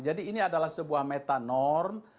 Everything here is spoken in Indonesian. jadi ini adalah sebuah metanorm